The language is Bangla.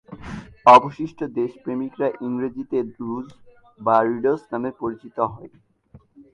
অবশিষ্ট দেশপ্রেমিকরা ইংরেজিতে রুজ বা রিডস নামে পরিচিত হয়।